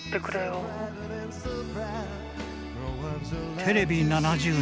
テレビ７０年。